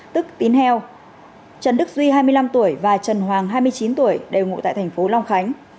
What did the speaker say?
tức tín heo trần đức duy hai mươi năm tuổi và trần hoàng hai mươi chín tuổi đều ngụ tại thành phố long khánh